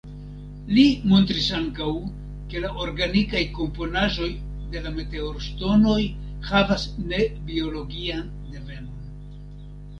Li montris ankaŭ, ke la organikaj komponaĵoj de la meteorŝtonoj havas ne-biologian devenon.